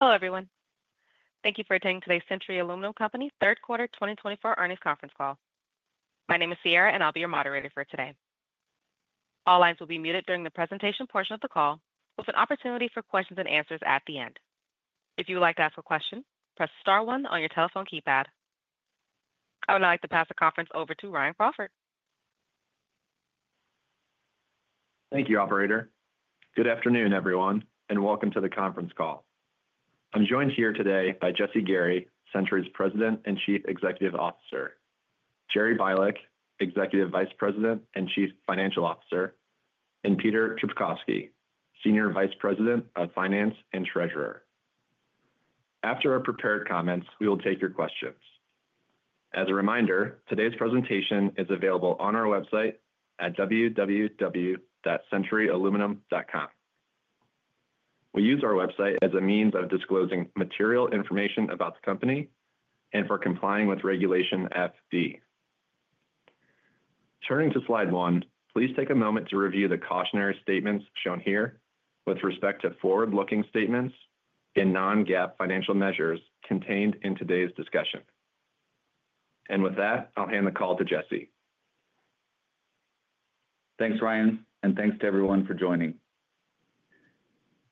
Hello, everyone. Thank you for attending today's Century Aluminum Company third quarter 2024 earnings conference call. My name is Sierra, and I'll be your moderator for today. All lines will be muted during the presentation portion of the call, with an opportunity for questions and answers at the end. If you would like to ask a question, press star one on your telephone keypad. I would now like to pass the conference over to Ryan Crawford. Thank you, Operator. Good afternoon, everyone, and welcome to the conference call. I'm joined here today by Jesse Gary, Century's President and Chief Executive Officer; Jerry Bialek, Executive Vice President and Chief Financial Officer; and Peter Trpkovski, Senior Vice President of Finance and Treasurer. After our prepared comments, we will take your questions. As a reminder, today's presentation is available on our website at www.centuryaluminum.com. We use our website as a means of disclosing material information about the company and for complying with Regulation FD. Turning to slide one, please take a moment to review the cautionary statements shown here with respect to forward-looking statements in non-GAAP financial measures contained in today's discussion, and with that, I'll hand the call to Jesse. Thanks, Ryan, and thanks to everyone for joining.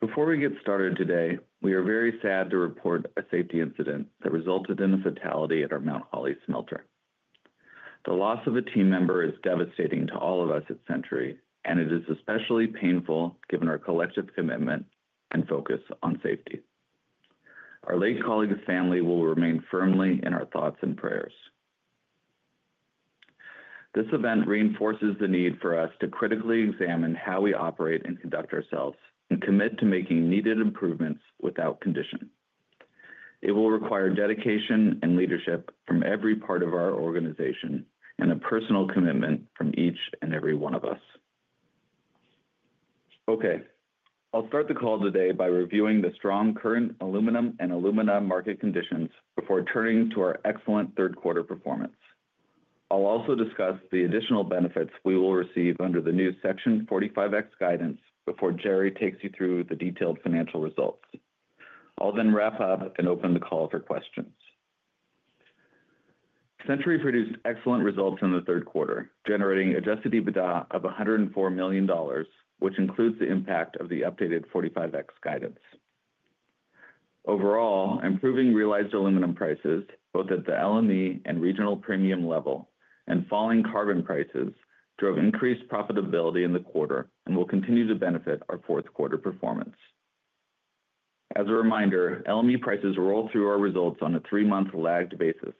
Before we get started today, we are very sad to report a safety incident that resulted in a fatality at our Mount Holly smelter. The loss of a team member is devastating to all of us at Century, and it is especially painful given our collective commitment and focus on safety. Our late colleague's family will remain firmly in our thoughts and prayers. This event reinforces the need for us to critically examine how we operate and conduct ourselves and commit to making needed improvements without condition. It will require dedication and leadership from every part of our organization and a personal commitment from each and every one of us. Okay, I'll start the call today by reviewing the strong current aluminum and alumina market conditions before turning to our excellent third quarter performance. I'll also discuss the additional benefits we will receive under the new Section 45X guidance before Jerry takes you through the detailed financial results. I'll then wrap up and open the call for questions. Century produced excellent results in the third quarter, generating an adjusted EBITDA of $104 million, which includes the impact of the updated 45X guidance. Overall, improving realized aluminum prices, both at the LME and regional premium level, and falling carbon prices drove increased profitability in the quarter and will continue to benefit our fourth quarter performance. As a reminder, LME prices roll through our results on a three-month lagged basis,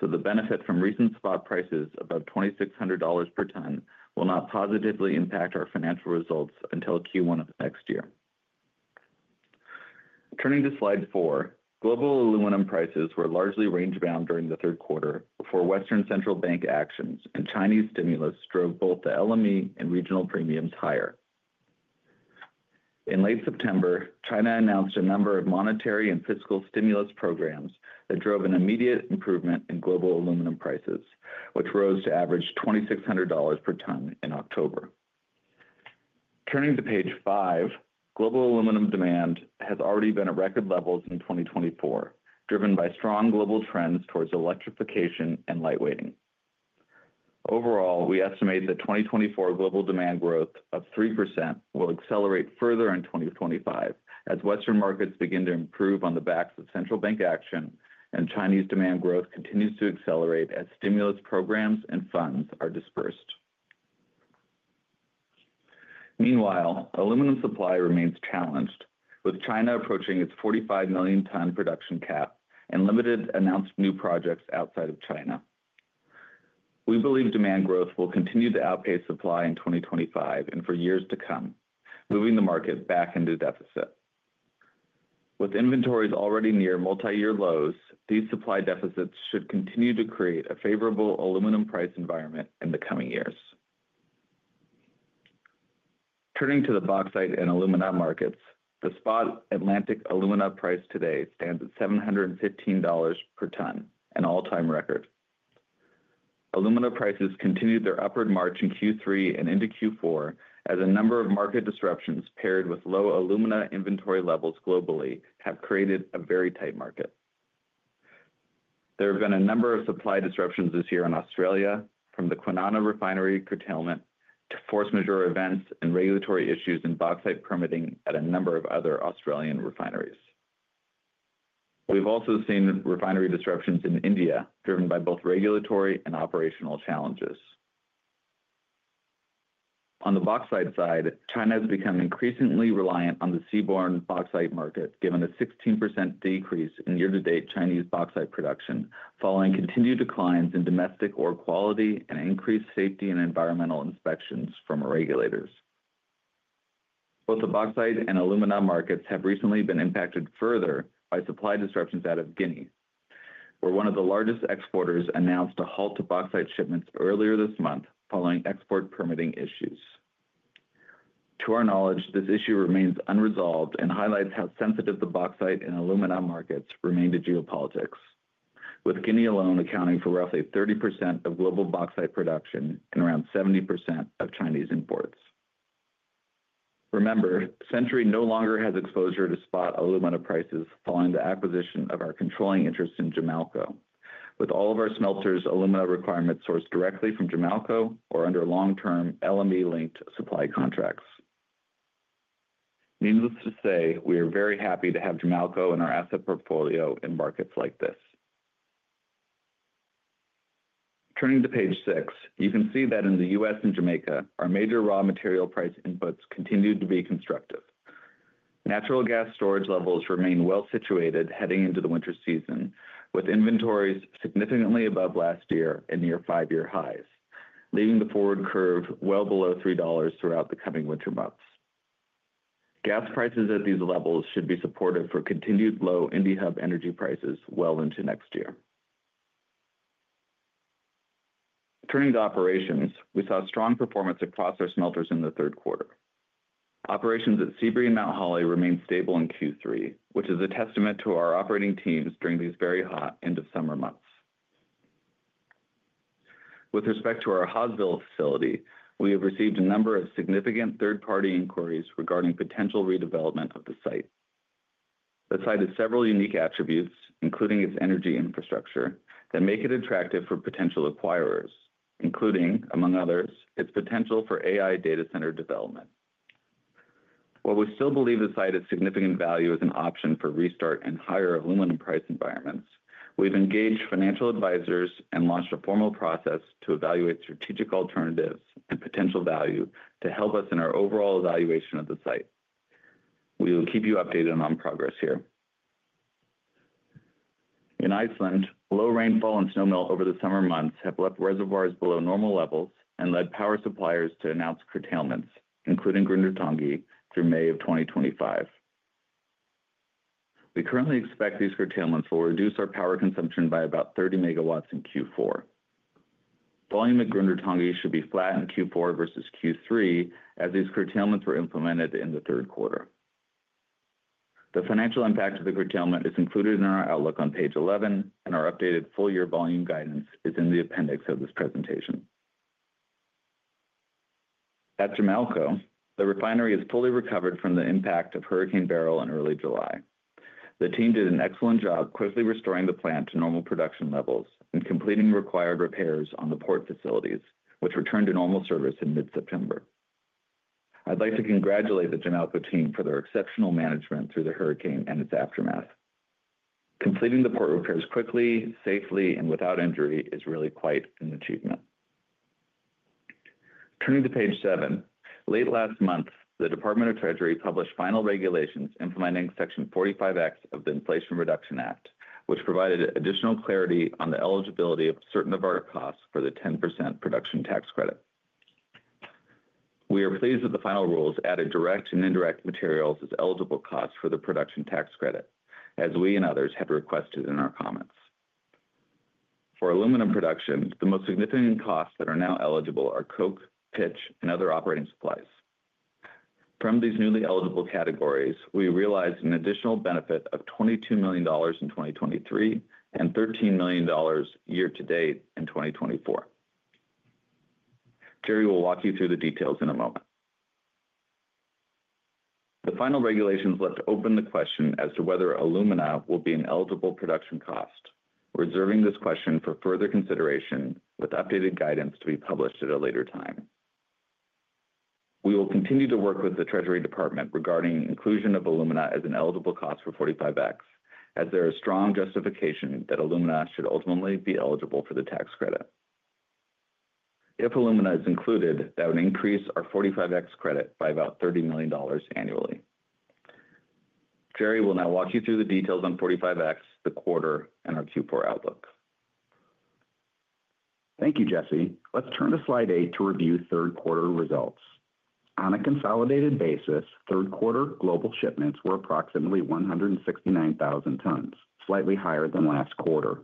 so the benefit from recent spot prices above $2,600 per ton will not positively impact our financial results until Q1 of next year. Turning to slide four, global aluminum prices were largely range-bound during the third quarter before Western central bank actions and Chinese stimulus drove both the LME and regional premiums higher. In late September, China announced a number of monetary and fiscal stimulus programs that drove an immediate improvement in global aluminum prices, which rose to average $2,600 per ton in October. Turning to page five, global aluminum demand has already been at record levels in 2024, driven by strong global trends towards electrification and lightweighting. Overall, we estimate that 2024 global demand growth of 3% will accelerate further in 2025 as Western markets begin to improve on the backs of central bank action and Chinese demand growth continues to accelerate as stimulus programs and funds are dispersed. Meanwhile, aluminum supply remains challenged, with China approaching its 45 million ton production cap and limited announced new projects outside of China. We believe demand growth will continue to outpace supply in 2025 and for years to come, moving the market back into deficit. With inventories already near multi-year lows, these supply deficits should continue to create a favorable aluminum price environment in the coming years. Turning to the bauxite and alumina markets, the spot Atlantic alumina price today stands at $715 per ton, an all-time record. Alumina prices continued their upward march in Q3 and into Q4 as a number of market disruptions paired with low alumina inventory levels globally have created a very tight market. There have been a number of supply disruptions this year in Australia, from the Kwinana refinery curtailment to force majeure events and regulatory issues in bauxite permitting at a number of other Australian refineries. We've also seen refinery disruptions in India driven by both regulatory and operational challenges. On the bauxite side, China has become increasingly reliant on the seaborne bauxite market, given a 16% decrease in year-to-date Chinese bauxite production following continued declines in domestic ore quality and increased safety and environmental inspections from regulators. Both the bauxite and alumina markets have recently been impacted further by supply disruptions out of Guinea, where one of the largest exporters announced a halt to bauxite shipments earlier this month following export permitting issues. To our knowledge, this issue remains unresolved and highlights how sensitive the bauxite and alumina markets remain to geopolitics, with Guinea alone accounting for roughly 30% of global bauxite production and around 70% of Chinese imports. Remember, Century no longer has exposure to spot alumina prices following the acquisition of our controlling interest in Jamalco, with all of our smelters' alumina requirements sourced directly from Jamalco or under long-term LME-linked supply contracts. Needless to say, we are very happy to have Jamalco in our asset portfolio in markets like this. Turning to page six, you can see that in the U.S. and Jamaica, our major raw material price inputs continue to be constructive. Natural gas storage levels remain well situated heading into the winter season, with inventories significantly above last year and near five-year highs, leaving the forward curve well below $3 throughout the coming winter months. Gas prices at these levels should be supportive for continued low Henry Hub energy prices well into next year. Turning to operations, we saw strong performance across our smelters in the third quarter. Operations at Sebree and Mount Holly remained stable in Q3, which is a testament to our operating teams during these very hot end-of-summer months. With respect to our Hawesville facility, we have received a number of significant third-party inquiries regarding potential redevelopment of the site. The site has several unique attributes, including its energy infrastructure, that make it attractive for potential acquirers, including, among others, its potential for AI data center development. While we still believe the site has significant value as an option for restart and higher aluminum price environments, we've engaged financial advisors and launched a formal process to evaluate strategic alternatives and potential value to help us in our overall evaluation of the site. We will keep you updated on progress here. In Iceland, low rainfall and snowmelt over the summer months have left reservoirs below normal levels and led power suppliers to announce curtailments, including Grundartangi, through May of 2025. We currently expect these curtailments will reduce our power consumption by about 30 megawatts in Q4. Volume at Grundartangi should be flat in Q4 versus Q3, as these curtailments were implemented in the third quarter. The financial impact of the curtailment is included in our outlook on page 11, and our updated full-year volume guidance is in the appendix of this presentation. At Jamalco, the refinery has fully recovered from the impact of Hurricane Beryl in early July. The team did an excellent job quickly restoring the plant to normal production levels and completing required repairs on the port facilities, which returned to normal service in mid-September. I'd like to congratulate the Jamalco team for their exceptional management through the hurricane and its aftermath. Completing the port repairs quickly, safely, and without injury is really quite an achievement. Turning to page seven, late last month, the U.S. Department of the Treasury published final regulations implementing Section 45X of the Inflation Reduction Act, which provided additional clarity on the eligibility of certain of our costs for the 10% production tax credit. We are pleased that the final rules added direct and indirect materials as eligible costs for the production tax credit, as we and others have requested in our comments. For aluminum production, the most significant costs that are now eligible are coke, pitch, and other operating supplies. From these newly eligible categories, we realized an additional benefit of $22 million in 2023 and $13 million year-to-date in 2024. Jerry will walk you through the details in a moment. The final regulations left open the question as to whether alumina will be an eligible production cost, reserving this question for further consideration with updated guidance to be published at a later time. We will continue to work with the Treasury Department regarding inclusion of alumina as an eligible cost for 45X, as there is strong justification that alumina should ultimately be eligible for the tax credit. If alumina is included, that would increase our 45X credit by about $30 million annually. Jerry will now walk you through the details on 45X, the quarter, and our Q4 outlook. Thank you, Jesse. Let's turn to slide eight to review third quarter results. On a consolidated basis, third quarter global shipments were approximately 169,000 tons, slightly higher than last quarter.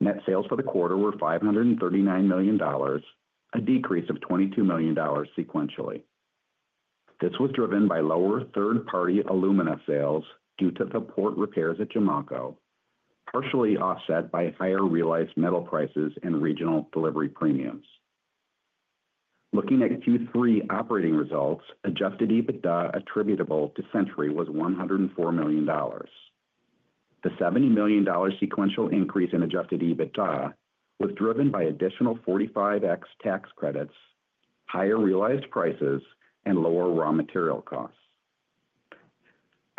Net sales for the quarter were $539 million, a decrease of $22 million sequentially. This was driven by lower third-party alumina sales due to the port repairs at Jamalco, partially offset by higher realized metal prices and regional delivery premiums. Looking at Q3 operating results, Adjusted EBITDA attributable to Century was $104 million. The $70 million sequential increase in Adjusted EBITDA was driven by additional 45X tax credits, higher realized prices, and lower raw material costs.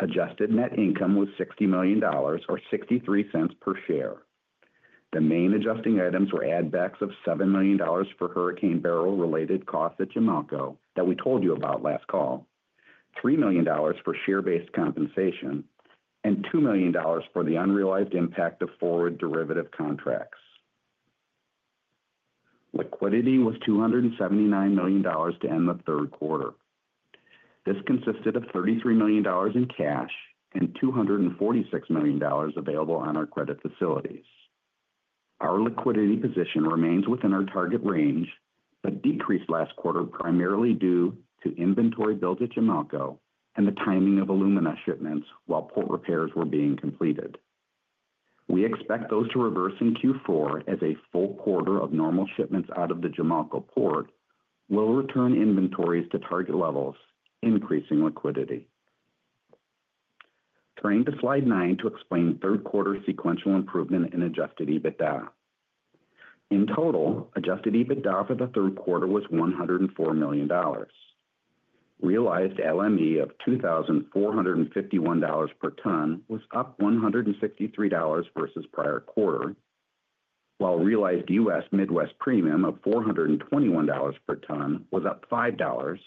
Adjusted net income was $60 million, or $0.63 per share. The main adjusting items were add-backs of $7 million for Hurricane Beryl-related costs at Jamalco that we told you about last call, $3 million for share-based compensation, and $2 million for the unrealized impact of forward derivative contracts. Liquidity was $279 million to end the third quarter. This consisted of $33 million in cash and $246 million available on our credit facilities. Our liquidity position remains within our target range, but decreased last quarter primarily due to inventory build at Jamalco and the timing of alumina shipments while port repairs were being completed. We expect those to reverse in Q4 as a full quarter of normal shipments out of the Jamalco port will return inventories to target levels, increasing liquidity. Turning to slide nine to explain third quarter sequential improvement in Adjusted EBITDA. In total, Adjusted EBITDA for the third quarter was $104 million. Realized LME of $2,451 per ton was up $163 versus prior quarter, while realized U.S. Midwest premium of $421 per ton was up $5,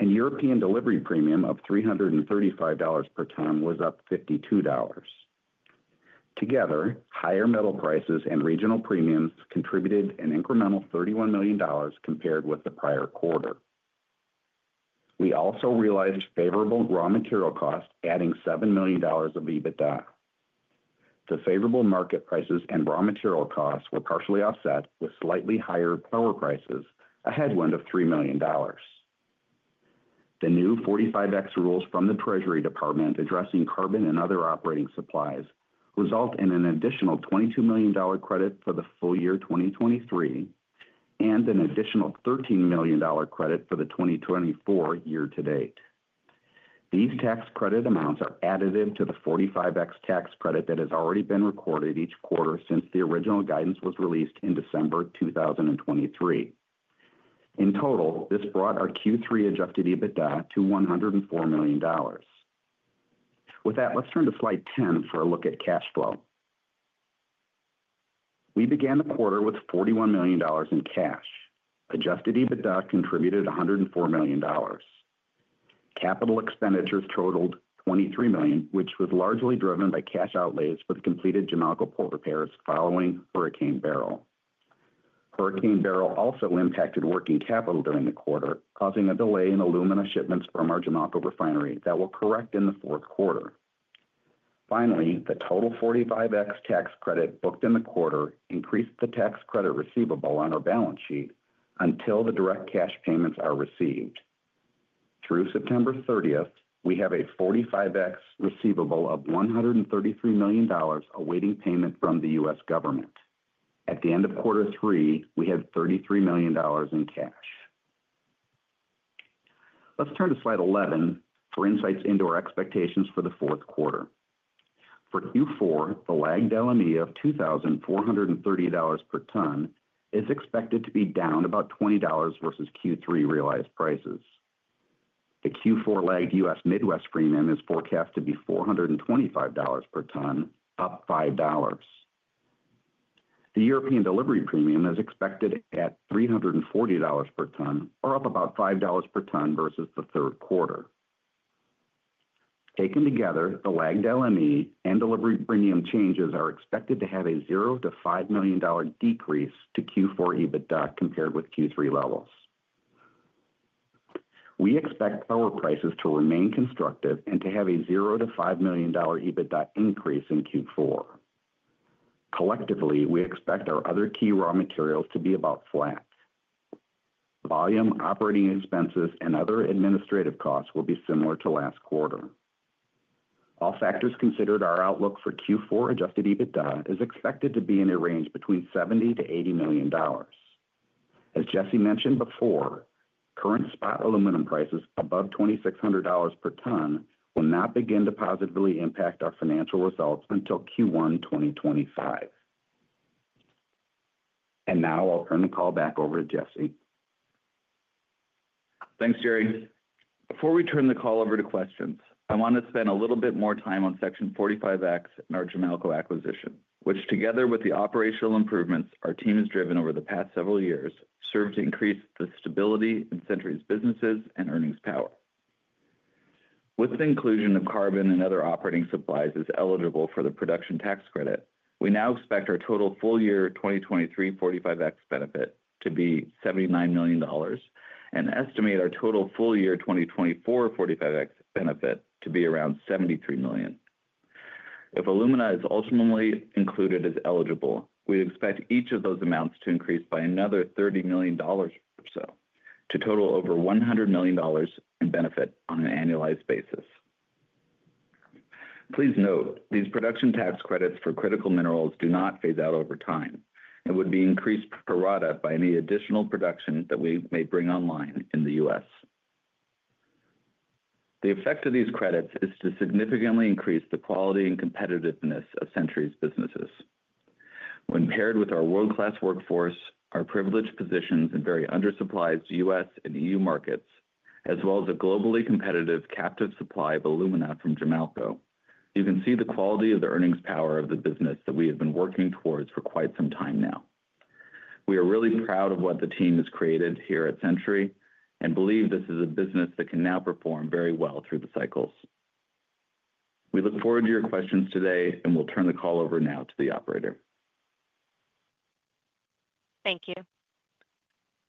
and European delivery premium of $335 per ton was up $52. Together, higher metal prices and regional premiums contributed an incremental $31 million compared with the prior quarter. We also realized favorable raw material costs, adding $7 million of EBITDA. The favorable market prices and raw material costs were partially offset, with slightly higher power prices, a headwind of $3 million. The new 45X rules from the Treasury Department addressing carbon and other operating supplies result in an additional $22 million credit for the full year 2023 and an additional $13 million credit for the 2024 year-to-date. These tax credit amounts are additive to the 45X tax credit that has already been recorded each quarter since the original guidance was released in December 2023. In total, this brought our Q3 Adjusted EBITDA to $104 million. With that, let's turn to slide 10 for a look at cash flow. We began the quarter with $41 million in cash. Adjusted EBITDA contributed $104 million. Capital expenditures totaled $23 million, which was largely driven by cash outlays for the completed Jamalco port repairs following Hurricane Beryl. Hurricane Beryl also impacted working capital during the quarter, causing a delay in alumina shipments from our Jamalco refinery that will correct in the fourth quarter. Finally, the total 45X tax credit booked in the quarter increased the tax credit receivable on our balance sheet until the direct cash payments are received. Through September 30th, we have a 45X receivable of $133 million awaiting payment from the U.S. government. At the end of quarter three, we had $33 million in cash. Let's turn to slide 11 for insights into our expectations for the fourth quarter. For Q4, the lagged LME of $2,430 per ton is expected to be down about $20 versus Q3 realized prices. The Q4 lagged U.S. Midwest premium is forecast to be $425 per ton, up $5. The European delivery premium is expected at $340 per ton, or up about $5 per ton versus the third quarter. Taken together, the lagged LME and delivery premium changes are expected to have a $0 to $5 million decrease to Q4 EBITDA compared with Q3 levels. We expect power prices to remain constructive and to have a $0 to $5 million EBITDA increase in Q4. Collectively, we expect our other key raw materials to be about flat. Volume, operating expenses, and other administrative costs will be similar to last quarter. All factors considered, our outlook for Q4 Adjusted EBITDA is expected to be in a range between $70-$80 million. As Jesse mentioned before, current spot aluminum prices above $2,600 per ton will not begin to positively impact our financial results until Q1 2025. And now I'll turn the call back over to Jesse. Thanks, Jerry. Before we turn the call over to questions, I want to spend a little bit more time on Section 45X in our Jamalco acquisition, which, together with the operational improvements our team has driven over the past several years, serves to increase the stability in Century's businesses and earnings power. With the inclusion of carbon and other operating supplies as eligible for the production tax credit, we now expect our total full year 2023 45X benefit to be $79 million and estimate our total full year 2024 45X benefit to be around $73 million. If alumina is ultimately included as eligible, we expect each of those amounts to increase by another $30 million or so to total over $100 million in benefit on an annualized basis. Please note, these production tax credits for critical minerals do not phase out over time and would be increased pro rata by any additional production that we may bring online in the U.S. The effect of these credits is to significantly increase the quality and competitiveness of Century's businesses. When paired with our world-class workforce, our privileged positions, and very under-supplied U.S. and EU markets, as well as a globally competitive captive supply of alumina from Jamalco, you can see the quality of the earnings power of the business that we have been working towards for quite some time now. We are really proud of what the team has created here at Century and believe this is a business that can now perform very well through the cycles. We look forward to your questions today, and we'll turn the call over now to the operator. Thank you.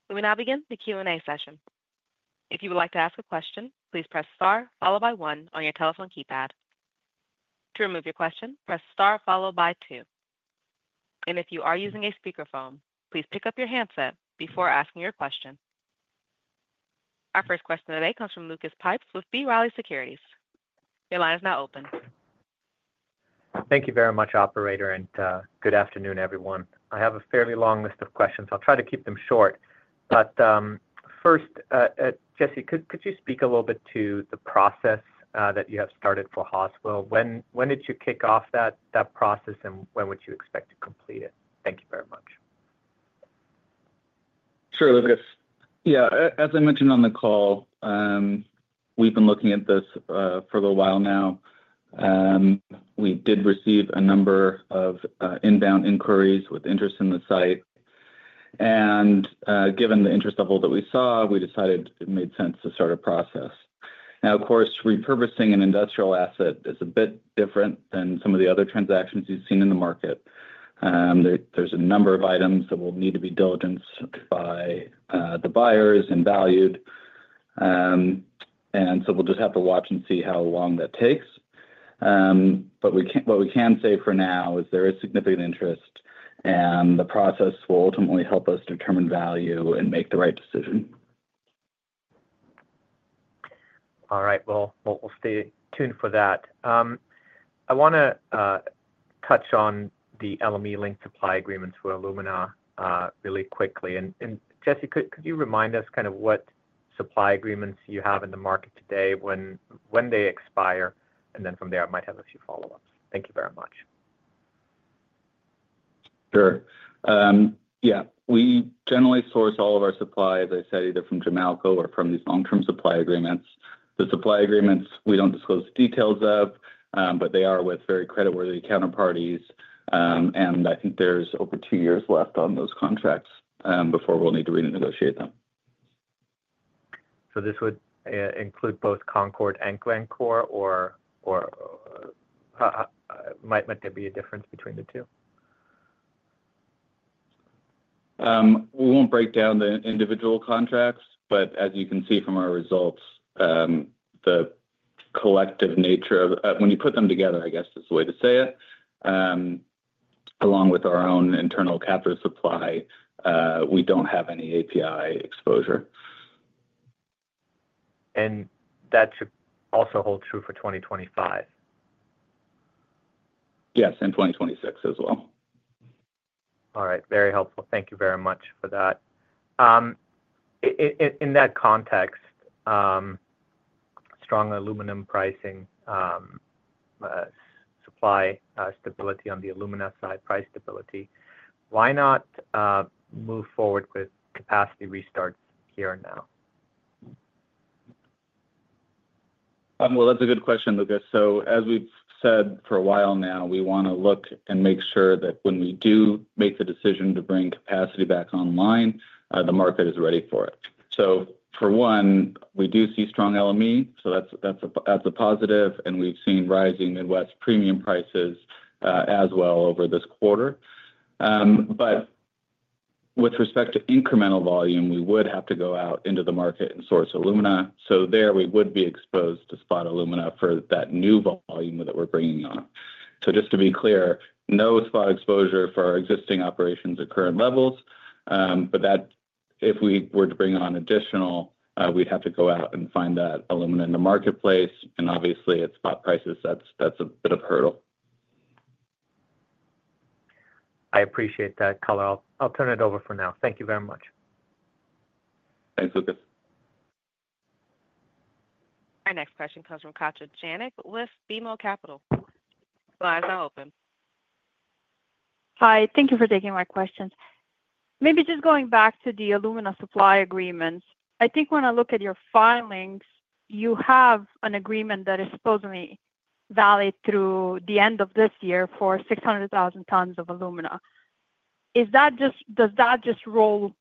We will now begin the Q&A session. If you would like to ask a question, please press star followed by one on your telephone keypad. To remove your question, press star followed by two, and if you are using a speakerphone, please pick up your handset before asking your question. Our first question today comes from Lucas Pipes with B. Riley Securities. Your line is now open. Thank you very much, Operator, and good afternoon, everyone. I have a fairly long list of questions. I'll try to keep them short. But first, Jesse, could you speak a little bit to the process that you have started for Hawesville? When did you kick off that process, and when would you expect to complete it? Thank you very much. Sure, Lucas. Yeah, as I mentioned on the call, we've been looking at this for a little while now. We did receive a number of inbound inquiries with interest in the site, and given the interest level that we saw, we decided it made sense to start a process. Now, of course, repurposing an industrial asset is a bit different than some of the other transactions you've seen in the market. There's a number of items that will need to be diligenced by the buyers and valued, and so we'll just have to watch and see how long that takes, but what we can say for now is there is significant interest, and the process will ultimately help us determine value and make the right decision. All right. Well, we'll stay tuned for that. I want to touch on the LME linked supply agreements for alumina really quickly. And Jesse, could you remind us kind of what supply agreements you have in the market today, when they expire, and then from there, I might have a few follow-ups? Thank you very much. Sure. Yeah, we generally source all of our supply, as I said, either from Jamalco or from these long-term supply agreements. The supply agreements we don't disclose the details of, but they are with very creditworthy counterparties. And I think there's over two years left on those contracts before we'll need to renegotiate them. So this would include both Concord and Glencore, or might there be a difference between the two? We won't break down the individual contracts, but as you can see from our results, the collective nature of when you put them together, I guess is the way to say it, along with our own internal captive supply. We don't have any API exposure. That should also hold true for 2025? Yes, and 2026 as well. All right. Very helpful. Thank you very much for that. In that context, strong aluminum pricing, supply stability on the alumina side, price stability, why not move forward with capacity restarts here and now? That's a good question, Lucas. As we've said for a while now, we want to look and make sure that when we do make the decision to bring capacity back online, the market is ready for it. For one, we do see strong LME. That's a positive. We've seen rising Midwest premium prices as well over this quarter. With respect to incremental volume, we would have to go out into the market and source alumina. There, we would be exposed to spot alumina for that new volume that we're bringing on. Just to be clear, no spot exposure for our existing operations at current levels. If we were to bring on additional, we'd have to go out and find that alumina in the marketplace. Obviously, at spot prices, that's a bit of a hurdle. I appreciate that, Calla. I'll turn it over for now. Thank you very much. Thanks, Lucas. Our next question comes from Katja Jancic with BMO Capital. The line is now open. Hi. Thank you for taking my questions. Maybe just going back to the alumina supply agreements, I think when I look at your filings, you have an agreement that is supposedly valid through the end of this year for 600,000 tons of alumina. Does that just roll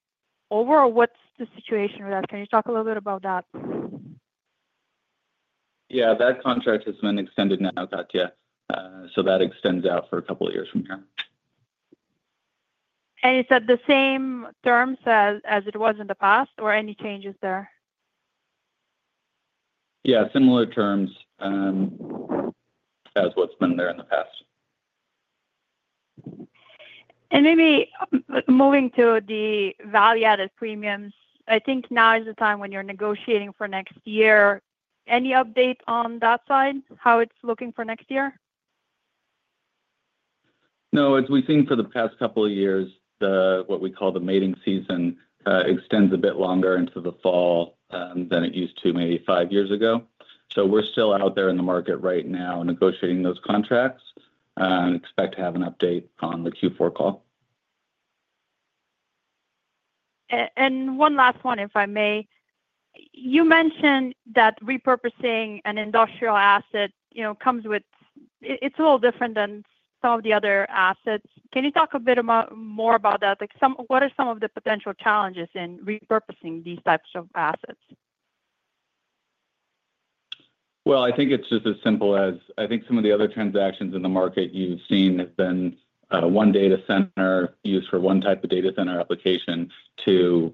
over, or what's the situation with that? Can you talk a little bit about that? Yeah, that contract has been extended now, Katja. So that extends out for a couple of years from here. Is that the same terms as it was in the past, or any changes there? Yeah, similar terms as what's been there in the past. Maybe moving to the value-added premiums, I think now is the time when you're negotiating for next year. Any update on that side, how it's looking for next year? No, as we've seen for the past couple of years, what we call the mating season extends a bit longer into the fall than it used to maybe five years ago. So we're still out there in the market right now negotiating those contracts and expect to have an update on the Q4 call. And one last one, if I may. You mentioned that repurposing an industrial asset comes with it's a little different than some of the other assets. Can you talk a bit more about that? What are some of the potential challenges in repurposing these types of assets? I think it's just as simple as some of the other transactions in the market you've seen have been one data center used for one type of data center application to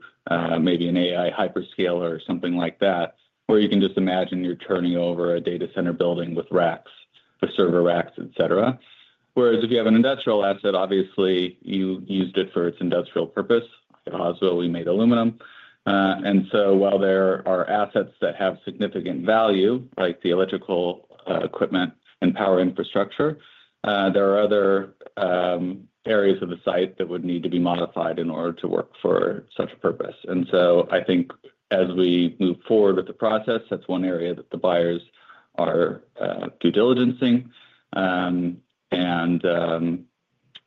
maybe an AI hyperscaler or something like that, where you can just imagine you're turning over a data center building with racks, with server racks, etc. Whereas if you have an industrial asset, obviously, you used it for its industrial purpose. At Hawesville, we made aluminum. And so while there are assets that have significant value, like the electrical equipment and power infrastructure, there are other areas of the site that would need to be modified in order to work for such a purpose. And so I think as we move forward with the process, that's one area that the buyers are due diligencing and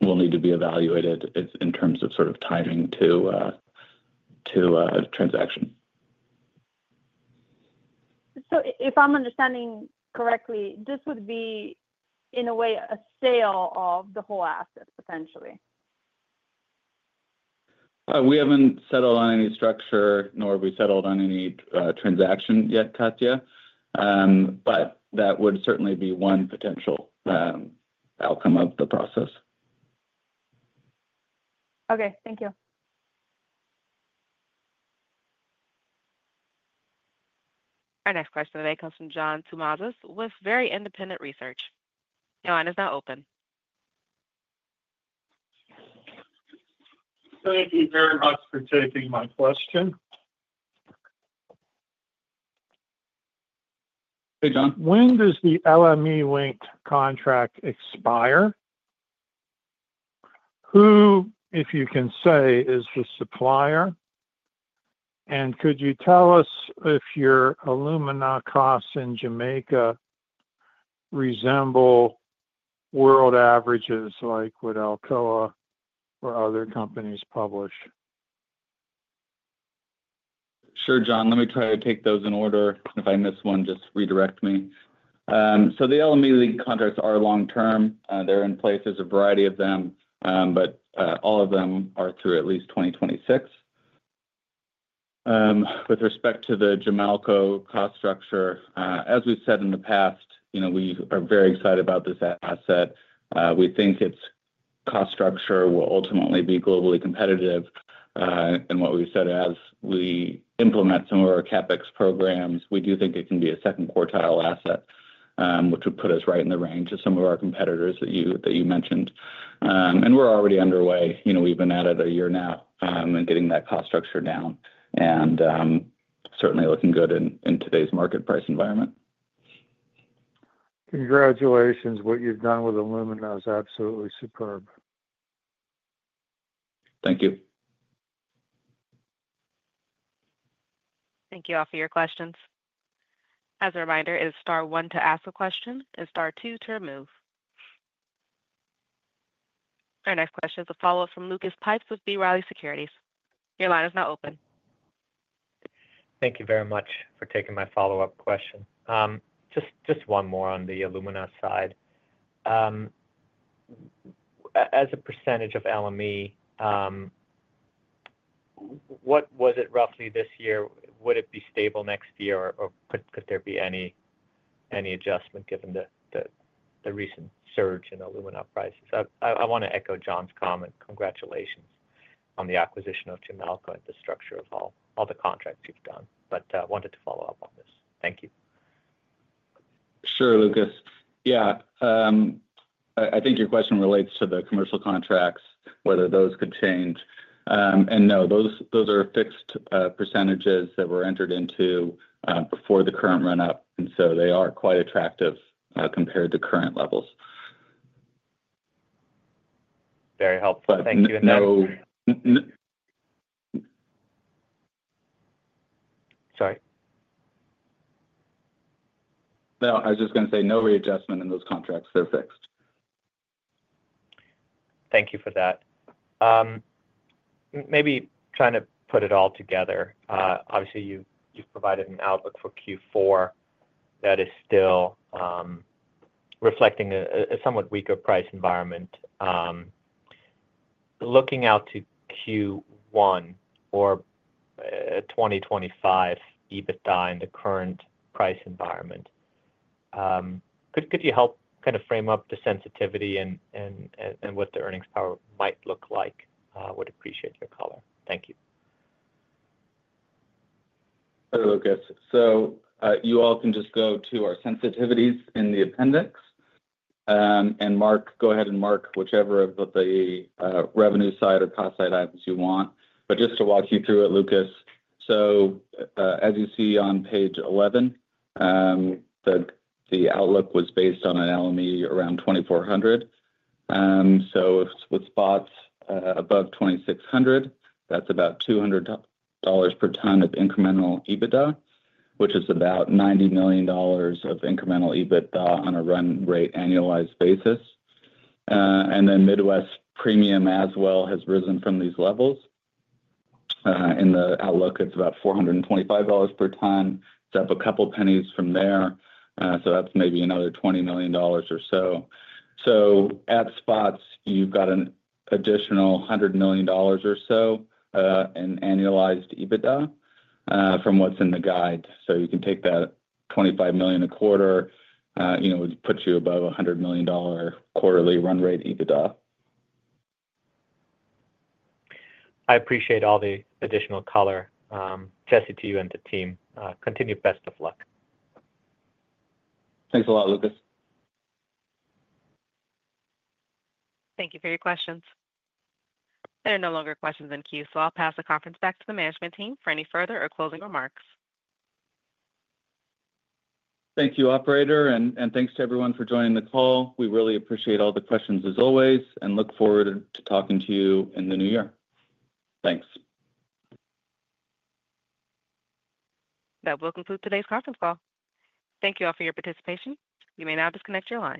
will need to be evaluated in terms of sort of timing to a transaction. So if I'm understanding correctly, this would be, in a way, a sale of the whole asset, potentially? We haven't settled on any structure, nor have we settled on any transaction yet, Katja, but that would certainly be one potential outcome of the process. Okay. Thank you. Our next question today comes from John Tumazos with Very Independent Research. John, is that open? Thank you very much for taking my question. Hey, John. When does the LME linked contract expire? Who, if you can say, is the supplier? And could you tell us if your alumina costs in Jamaica resemble world averages like what Alcoa or other companies publish? Sure, John. Let me try to take those in order, and if I miss one, just redirect me. So the LME linked contracts are long-term. They're in place. There's a variety of them, but all of them are through at least 2026. With respect to the Jamalco cost structure, as we've said in the past, we are very excited about this asset. We think its cost structure will ultimately be globally competitive. And what we've said, as we implement some of our CapEx programs, we do think it can be a second quartile asset, which would put us right in the range of some of our competitors that you mentioned, and we're already underway. We've been at it a year now and getting that cost structure down and certainly looking good in today's market price environment. Congratulations. What you've done with alumina is absolutely superb. Thank you. Thank you all for your questions. As a reminder, it is star one to ask a question and star two to remove. Our next question is a follow-up from Lucas Pipes with B. Riley Securities. Your line is now open. Thank you very much for taking my follow-up question. Just one more on the alumina side. As a percentage of LME, what was it roughly this year? Would it be stable next year, or could there be any adjustment given the recent surge in alumina prices? I want to echo John's comment. Congratulations on the acquisition of Jamalco and the structure of all the contracts you've done. But wanted to follow up on this. Thank you. Sure, Lucas. Yeah, I think your question relates to the commercial contracts, whether those could change. And no, those are fixed percentages that were entered into before the current run-up. And so they are quite attractive compared to current levels. Very helpful. Thank you. But no. Sorry. No, I was just going to say no readjustment in those contracts. They're fixed. Thank you for that. Maybe trying to put it all together. Obviously, you've provided an outlook for Q4 that is still reflecting a somewhat weaker price environment. Looking out to Q1 or 2025, even in the current price environment, could you help kind of frame up the sensitivity and what the earnings power might look like? Would appreciate your color. Thank you. Hello, Lucas. So you all can just go to our sensitivities in the appendix and go ahead and mark whichever of the revenue side or cost side items you want. But just to walk you through it, Lucas, so as you see on page 11, the outlook was based on an LME around 2,400. So with spots above 2,600, that's about $200 per ton of incremental EBITDA, which is about $90 million of incremental EBITDA on a run rate annualized basis. And then Midwest Premium as well has risen from these levels. In the outlook, it's about $425 per ton. It's up a couple of pennies from there. So that's maybe another $20 million or so. So at spots, you've got an additional $100 million or so in annualized EBITDA from what's in the guide. So you can take that $25 million a quarter, it would put you above a $100 million quarterly run rate EBITDA. I appreciate all the additional color. Jesse, to you and the team. Continue best of luck. Thanks a lot, Lucas. Thank you for your questions. There are no longer questions in queue, so I'll pass the conference back to the management team for any further or closing remarks. Thank you, operator. And thanks to everyone for joining the call. We really appreciate all the questions as always and look forward to talking to you in the new year. Thanks. That will conclude today's conference call. Thank you all for your participation. You may now disconnect your line.